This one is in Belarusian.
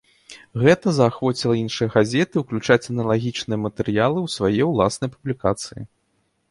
Гэта заахвоціла іншыя газеты ўключаць аналагічныя матэрыялы ў свае ўласныя публікацыі.